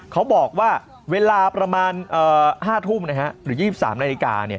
เขาบอกว่าเวลาประมาณ๕ทุ่มหรือ๒๓นาฬิกา